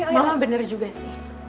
mama bener juga sih